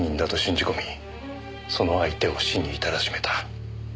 その相手を死にいたらしめた。